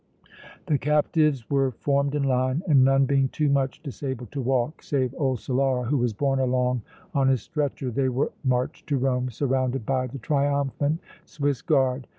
The captives were formed in line and, none being too much disabled to walk, save old Solara who was borne along on his stretcher, they were marched to Rome surrounded by the triumphant Swiss Guard.